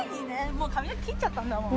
もう髪の毛切っちゃったんだもん。